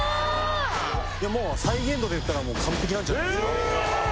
いやもう再現度でいったら完璧なんじゃないですか？